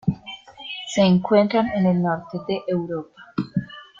Se encuentran en el Norte de Europa.